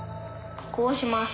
こうします。